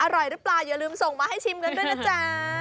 อร่อยหรือเปล่าอย่าลืมส่งมาให้ชิมกันด้วยนะจ๊ะ